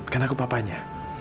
kan aku papanya